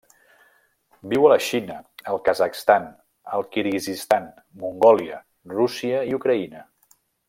Viu a la Xina, el Kazakhstan, el Kirguizistan, Mongòlia, Rússia i Ucraïna.